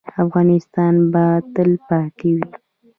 افغانستان به تلپاتې وي؟